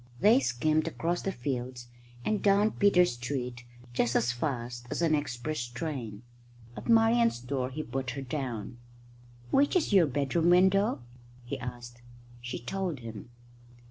They skimmed across the fields and down Peter Street just as fast as an express train. At Marian's door he put her down. "Which is your bedroom window?" he asked. She told him.